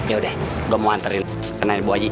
yaudah gua mau anterin pesenannya bu aji